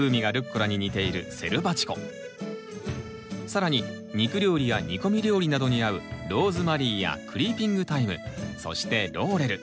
更に肉料理や煮込み料理などに合うローズマリーやクリーピングタイムそしてローレル。